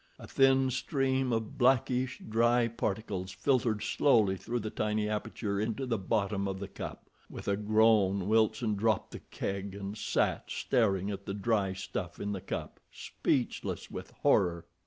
A thin stream of blackish, dry particles filtered slowly through the tiny aperture into the bottom of the cup. With a groan Wilson dropped the keg, and sat staring at the dry stuff in the cup, speechless with horror.